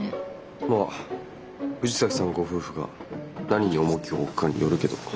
まあ藤崎さんご夫婦が何に重きを置くかによるけど。